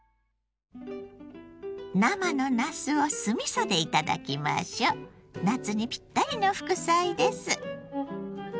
生のなすを酢みそで頂きましょう！夏にピッタリの副菜です。